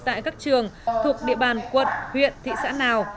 tại các trường thuộc địa bàn quận huyện thị xã nào